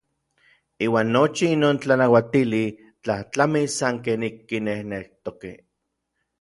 Iuan nochi inon tlanauatili tlajtlamis san ken ik kinejnektokej.